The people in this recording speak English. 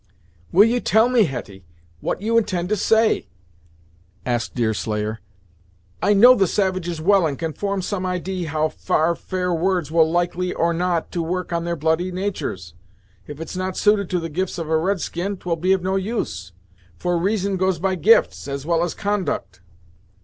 "Will you tell me, Hetty, what you intend to say?" asked Deerslayer. "I know the savages well, and can form some idee how far fair words will be likely, or not, to work on their bloody natur's. If it's not suited to the gifts of a red skin, 'twill be of no use; for reason goes by gifts, as well as conduct."